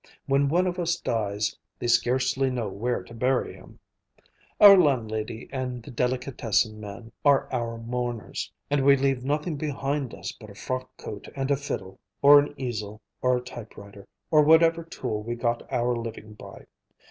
When one of us dies, they scarcely know where to bury him. Our landlady and the delicatessen man are our mourners, and we leave nothing behind us but a frock coat and a fiddle, or an easel, or a typewriter, or whatever tool we got our living by.